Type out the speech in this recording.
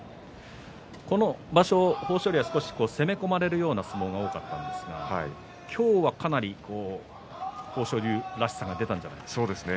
この場所豊昇龍は少し攻め込まれる相撲が多かったんですが今日はかなり豊昇龍らしさが出たんじゃないでしょうか。